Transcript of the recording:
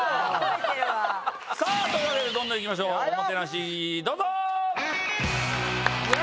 さぁどんどん行きましょうおもてなしどうぞ！